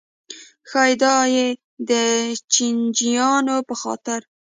ښایي دا یې د چیچنیایانو په خاطر.